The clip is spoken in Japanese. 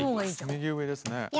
右上ですねえ。